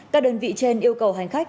các đơn vị trên yêu cầu hành khách